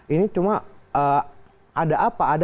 ini cuma ada apa